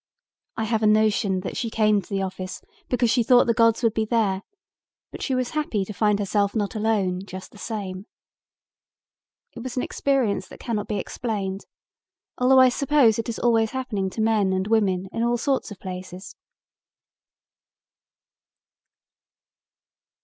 I have a notion that she came to the office because she thought the gods would be there but she was happy to find herself not alone just the same. It was an experience that cannot be explained, although I suppose it is always happening to men and women in all sorts of places."